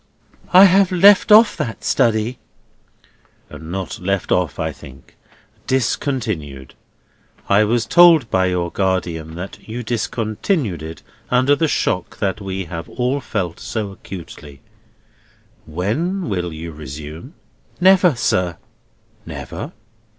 "I have left off that study." "Not left off, I think. Discontinued. I was told by your guardian that you discontinued it under the shock that we have all felt so acutely. When will you resume?" "Never, sir." "Never?